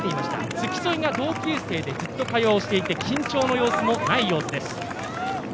付き添いが同級生でずっと会話をしていて緊張の様子もないようです。